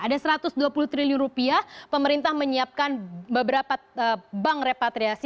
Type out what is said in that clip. ada satu ratus dua puluh triliun rupiah pemerintah menyiapkan beberapa bank repatriasi